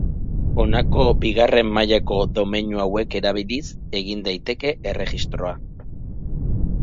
Honako bigarren mailako domeinu hauek erabiliz egin daiteke erregistroa.